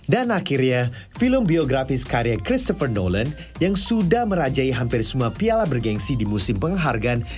dan akhirnya film biografis karya christopher nolan yang sudah merajai hampir semua piala bergensi di musim penghargaan